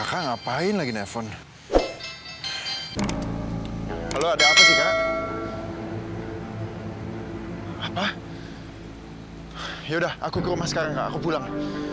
sampai jumpa di video selanjutnya